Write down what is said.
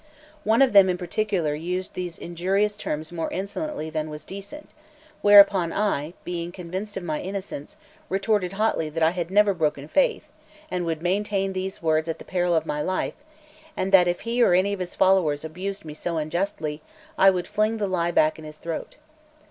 One of them in particular used those injurious terms more insolently than was decent; whereupon I, being convinced of my innocence, retorted hotly that I had never broken faith, and would maintain these words at the peril of my life, and that if he or any of his fellows abused me so unjustly, I would fling the lie back in his throat.